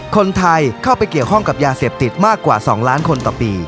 คนไทยเข้าไปเกี่ยวข้องกับยาเสพติดมากกว่า๒ล้านคนต่อปี